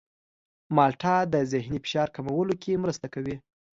مالټه د ذهني فشار کمولو کې مرسته کوي.